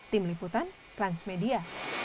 tim liputan transmedia